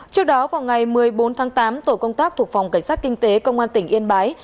trước đó vào ngày một mươi bốn tháng tám tổ công tác thuộc phòng cảnh sát kinh tế công an tỉnh yên bái